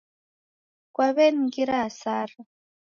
kwaw'eningira hasara.